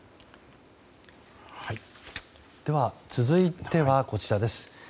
では続いてはこちらです。